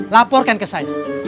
laporkan ke saya